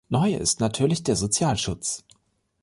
Neu ist natürlich der Sozialschutz.